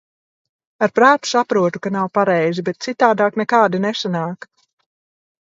Ar prātu saprotu, ka nav pareizi, bet citādāk nekādi nesanāk.